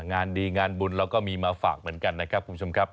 งานดีงานบุญเราก็มีมาฝากเหมือนกันนะครับคุณผู้ชมครับ